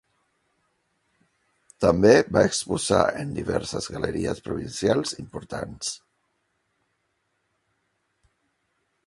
També va exposar en diverses galeries provincials importants.